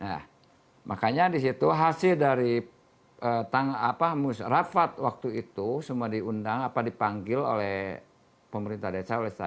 nah makanya disitu hasil dari rapat waktu itu semua diundang apa dipanggil oleh pemerintah desa oleh saya